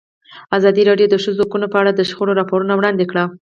ازادي راډیو د د ښځو حقونه په اړه د شخړو راپورونه وړاندې کړي.